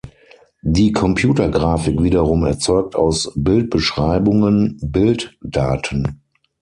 Die "Computergrafik" wiederum erzeugt aus Bildbeschreibungen Bilddaten.